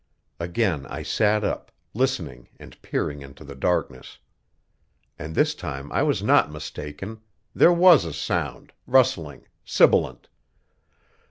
Again I sat up, listening and peering into the darkness. And this time I was not mistaken there was a sound, rustling, sibilant.